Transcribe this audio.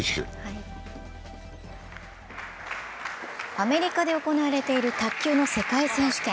アメリカで行われている卓球の世界選手権。